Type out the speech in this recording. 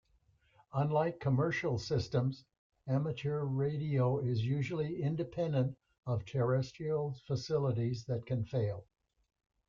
Unlike commercial systems, Amateur radio is usually independent of terrestrial facilities that can fail.